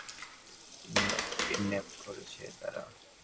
সিম্বাকে kidnap করেছে কেউ।